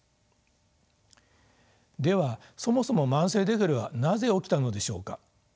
ではそもそも慢性デフレはなぜ起きたのでしょうか。